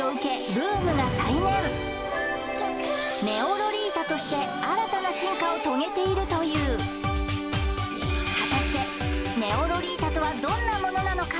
ブームが再燃ネオロリータとして新たな進化を遂げているという果たしてネオロリータとはどんなものなのか